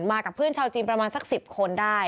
กับเพื่อนชาวจีนประมาณสัก๑๐คนได้